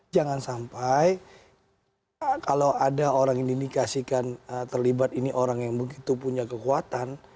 jangan sampai kalau ada orang yang diindikasikan terlibat ini orang yang begitu punya kekuatan